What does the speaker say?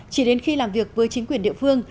chỉ đến khi làm việc với chính quyền địa phương